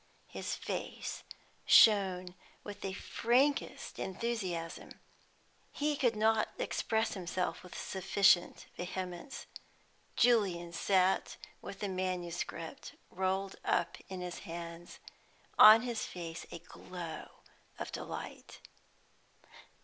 His face shone with the frankest enthusiasm. He could not express himself with sufficient vehemence. Julian sat with the manuscript rolled up in his hands, on his face a glow of delight.